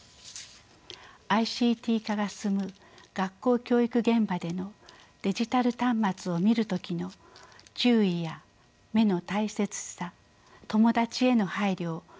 ＩＣＴ化が進む学校教育現場でのデジタル端末を見る時の注意や目の大切さ友達への配慮を啓発することが必要です。